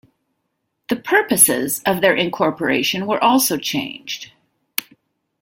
The purposes of their incorporation were also changed.